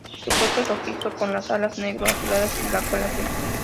Su cuerpo es rojizo con las alas negro azuladas y la cola azul.